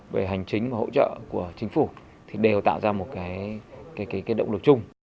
về hành chính và hỗ trợ của chính phủ đều tạo ra một động lực chung